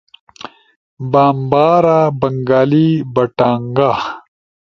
بامبارا، بنگالی، بٹانگا